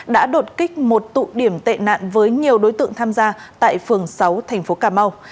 đã đột kích một tụ điểm tệ nạn với nhiều đối tượng tham gia tại phường sáu thành phố cà mau